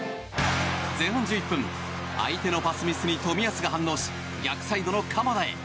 前半１１分、相手のパスミスに冨安が反応し逆サイドの鎌田へ。